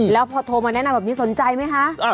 แล้วพอโทรมาแนะนำแบบนี้สนใจไหมคะ